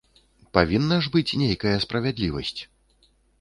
Павінна ж быць нейкая справядлівасць.